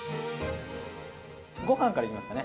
ご飯からいきますかね。